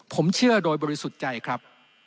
ผมเชื่อโดยบริสุทธิ์ใจครับ